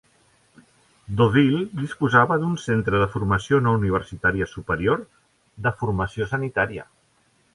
Deauville disposava d'un centre de formació no universitària superior de formació sanitària.